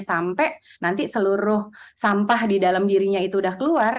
sampai nanti seluruh sampah di dalam dirinya itu udah keluar